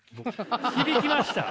響きました？